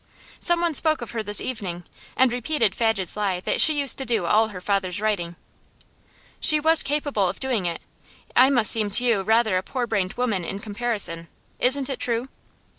Someone spoke of her this evening, and repeated Fadge's lie that she used to do all her father's writing.' 'She was capable of doing it. I must seem to you rather a poor brained woman in comparison. Isn't it true?